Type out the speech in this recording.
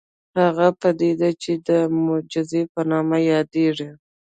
هغه پديده چې د معجزې په نامه يادېږي.